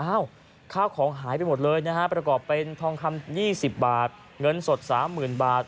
ข้าวของหายไปหมดเลยนะฮะประกอบเป็นทองคำ๒๐บาทเงินสด๓๐๐๐บาท